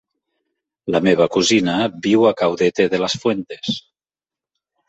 La meva cosina viu a Caudete de las Fuentes.